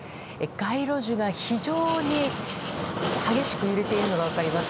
街路樹が非常に激しく揺れているのが分かります。